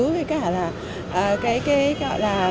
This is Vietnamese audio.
với cả là